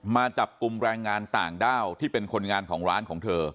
มาจับกลุ่มแรงงานต่างด้าวที่เป็นคนงานของร้านของเธอ